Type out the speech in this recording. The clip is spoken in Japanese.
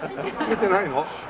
見てないの？